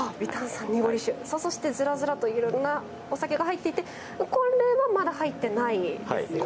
さあそしてずらずらっといろんなお酒が入っていてこれはまだ入ってないですよね？